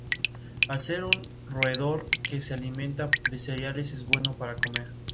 Al ser un roedor que se alimenta de cereales es bueno para comer.